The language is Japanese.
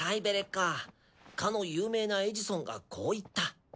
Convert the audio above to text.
ベレッカかの有名なエジソンがこう言った。